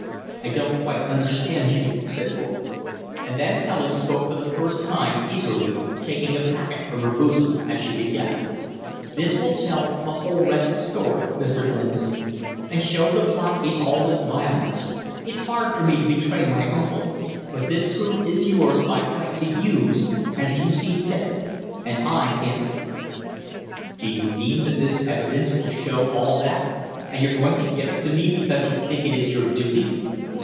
"I don't quite understand you," said Roy. And then Helen spoke for the first time eagerly, taking a packet from her bosom as she began: "This will tell the whole wretched story, Mr. Glenister, and show the plot in all its vileness. It's hard for me to betray my uncle, but this proof is yours by right to use as you see fit, and I can't keep it." "Do you mean that this evidence will show all that? And you're going to give it to me because you think it is your duty?"